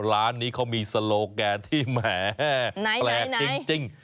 ร้านนี้เขามีโลแกนที่แหมแปลกจริง